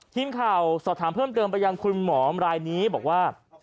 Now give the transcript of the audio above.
ทีมข่าวสอบถามเพิ่มเติมไปยังคุณหมอรายนี้บอกว่า